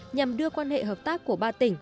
nhằm đưa quan hệ hợp tác của ba tỉnh